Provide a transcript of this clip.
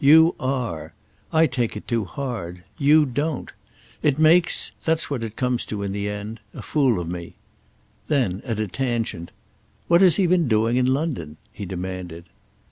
You are. I take it too hard. You don't. It makes—that's what it comes to in the end—a fool of me." Then at a tangent, "What has he been doing in London?" he demanded.